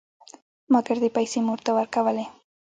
ما ګردې پيسې مور ته ورکولې.